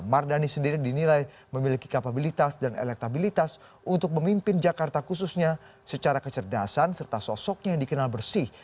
mardani sendiri dinilai memiliki kapabilitas dan elektabilitas untuk memimpin jakarta khususnya secara kecerdasan serta sosoknya yang dikenal bersih